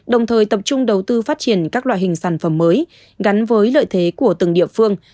đồng thời tập trung đầu tư phát triển các loại hình sản phẩm mới gắn với lợi thế của từng địa phương